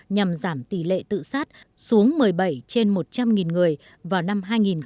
nhằm giảm tỷ lệ tự sát xuống một mươi bảy trên một trăm linh người vào năm hai nghìn hai mươi